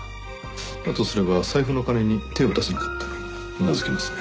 だとすれば財布の金に手を出さなかったのもうなずけますね。